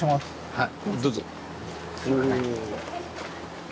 はい。